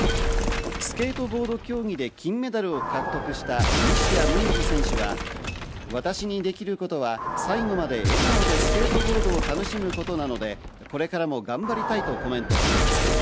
スケートボード競技で金メダルを獲得した西矢椛選手は、私にできることは最後まで笑顔でスケートボードを楽しむことなのでこれからも頑張りたいとコメントしています。